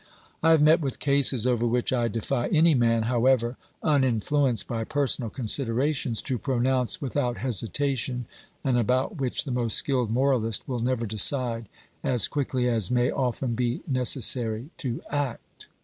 I have met with cases over which I defy any man, however unin fluenced by personal considerations, to pronounce without hesitation, and about which the most skilled moralist will never decide as quickly as it may often be necessary to act.